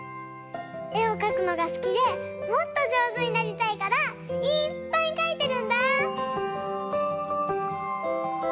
えをかくのが好きでもっと上手になりたいからいっぱいかいてるんだぁ！